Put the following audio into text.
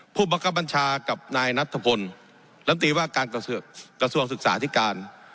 ผู้บังคับบัญชากับนายนัทธพลลำตีว่าการกระทรวงศึกษาที่การ